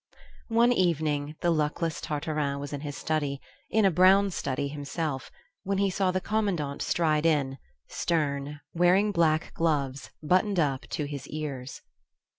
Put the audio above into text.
One evening the luckless Tartarin was in his study, in a brown study himself, when he saw the commandant stride in, stern, wearing black gloves, buttoned up to his ears.